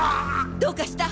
どうかした！？